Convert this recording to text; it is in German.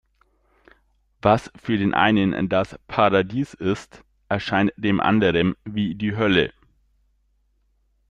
Was für den einen das Paradies ist, erscheint dem anderem wie die Hölle.